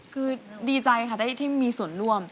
คือดีใจค่ะได้ที่มีส่วนร่วม